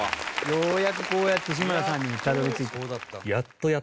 ようやくこうやって志村さんにたどり着いた。